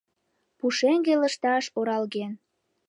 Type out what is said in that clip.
Пушеҥге лышташ оралген.